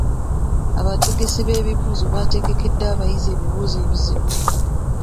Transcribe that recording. Abategesi b'ebibuuzo baategekedde abayizi ebibuuzo ebizibu.